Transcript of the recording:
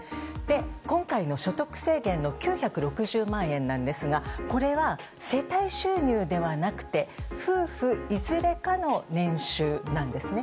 今回の所得制限の９６０万円なんですが、これは世帯収入ではなくて、夫婦いずれかの年収なんですね。